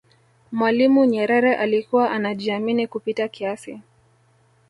mwalimu nyerere alikuwa anajiamini kupita kiasi